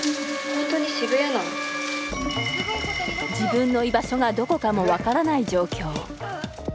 自分の居場所がどこかも分からない状況